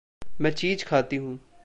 मैं चीज़ खाती हूँ।